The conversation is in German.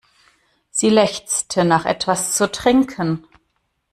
Sie lechzte nach etwas zu trinken.